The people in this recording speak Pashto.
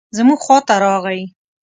زموږ خواته راغی.